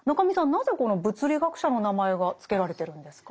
なぜこの物理学者の名前がつけられてるんですか？